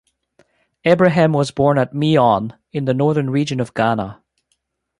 Ibrahim was born at Mion in the Northern Region of Ghana.